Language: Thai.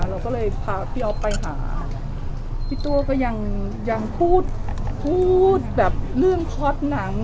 เราก็เลยพาพี่อ๊อฟไปหาพี่ตัวก็ยังพูดพูดแบบเรื่องพอร์ตหนัง